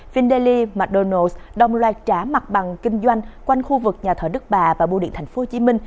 vindeli mcdonald s đồng loạt trả mặt bằng kinh doanh quanh khu vực nhà thờ đức bà và bưu điện tp hcm